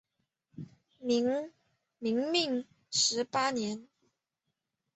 明命十八年。